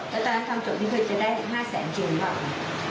ได้๕แสนเจียงบ้าง